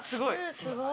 すごい。